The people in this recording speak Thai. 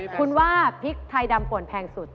คุณว่าพริกไทยดำป่วนแพงสุด